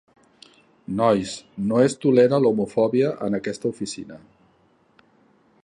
Nois, no es tolera l'homofòbia en aquesta oficina.